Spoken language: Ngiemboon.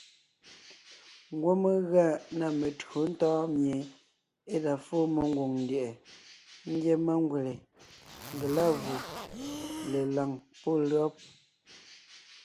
Ngwɔ́ mé gʉa na metÿǒ ntɔ̌ɔn mie e la fóo mengwòŋ ndyɛ̀ʼɛ ngyɛ́ mangwèle, ngelâvù, lelàŋ pɔ́ lÿɔ́b.